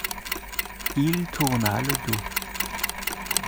Il tourna le dos.